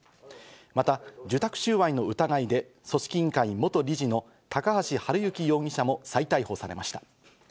また、受託収賄の疑いで組織委員会元理事の高橋治之容疑者も再逮捕されました。